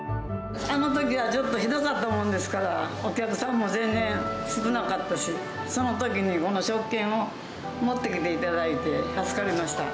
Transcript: あのときはちょっと、ひどかったもんですから、お客さんも全然少なかったし、そのときにこの食券を持ってきていただいて、助かりました。